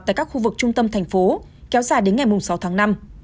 tại các khu vực trung tâm thành phố kéo dài đến ngày sáu tháng năm